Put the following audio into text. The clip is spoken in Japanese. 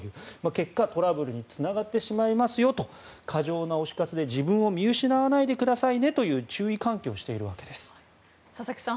結果、トラブルにつながってしまいますよと過剰な推し活で、自分を見失わないでくださいねという佐々木さん